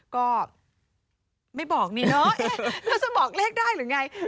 ก็ไม่บอกนี่เนอะแล้วจะบอกเลขได้หรือไง